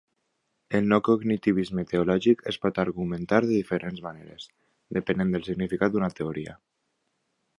El no-cognitivisme teològic es pot argumentar de diferents maneres, depenent del significat d'una teoria.